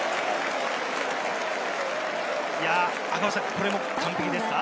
これも完璧ですか？